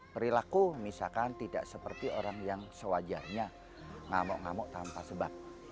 perilaku misalkan tidak seperti orang yang sewajarnya ngamuk ngamuk tanpa sebab